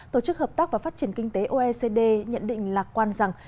tổ chức hợp tác và phát triển kinh tế oecd nhận định lạc quan rằng